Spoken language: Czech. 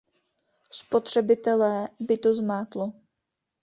Spotřebitele by to zmátlo.